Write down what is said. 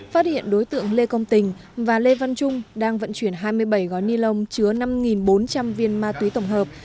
phát hiện đối tượng lê công tình và lê văn trung đang vận chuyển hai mươi bảy gói ni lông chứa năm bốn trăm linh viên ma túy tổng hợp